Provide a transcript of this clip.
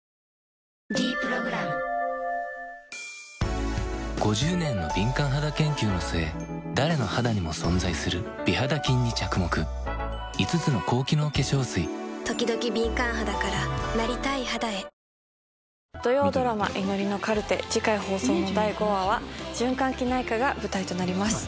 「ｄプログラム」５０年の敏感肌研究の末誰の肌にも存在する美肌菌に着目５つの高機能化粧水ときどき敏感肌からなりたい肌へ次回放送の第５話は循環器内科が舞台となります。